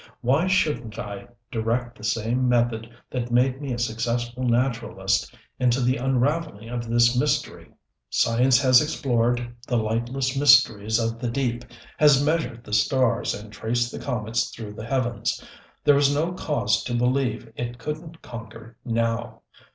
Why shouldn't I direct the same method that made me a successful naturalist into the unraveling of this mystery? Science has explored the lightless mysteries of the deep, has measured the stars and traced the comets through the heavens: there was no cause to believe it couldn't conquer now.